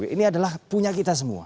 ini adalah punya kita semua